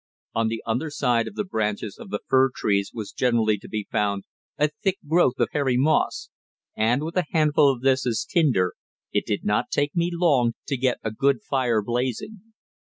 On the under side of the branches of the fir trees was generally to be found a thick growth of hairy moss, and with a handful of this as tinder it did not take me long to get a good fire blazing.